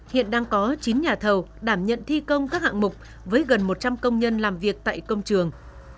hiện đang có chín nhà thầu đảm nhận thi công các hạng mục với gần một trăm linh công nhân làm việc tại công trường